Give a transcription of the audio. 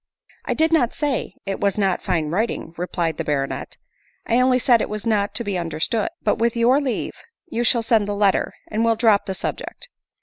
" I did not say it was not fine writing," replied the baronet, " I only said it was not to be understood. But L 54 ADELINE MOWBRAY. with your leave, you shall send the letter, and we'll drop the subject."